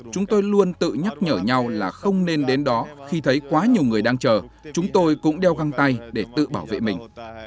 chúng tôi luôn tự nhắc nhở nhau là không nên đến đó khi thấy quá nhiều người đang chờ chúng tôi cũng đeo găng tay để tự bảo vệ mình